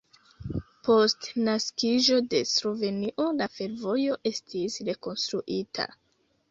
Post naskiĝo de Slovenio la fervojo estis rekonstruita.